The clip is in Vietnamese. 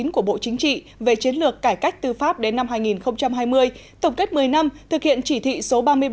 của bộ chính trị về chiến lược cải cách tư pháp đến năm hai nghìn hai mươi tổng kết một mươi năm thực hiện chỉ thị số ba mươi ba